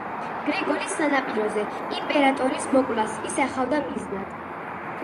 გრიგოლის სანაპიროზე იმპერატორის მოკვლას ისახავდა მიზნად.